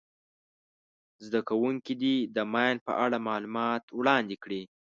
زده کوونکي دې د ماین په اړه معلومات وړاندي کړي.